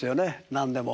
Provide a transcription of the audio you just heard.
何でも。